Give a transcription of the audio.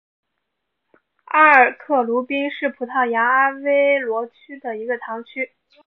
阿尔克鲁宾是葡萄牙阿威罗区的一个堂区。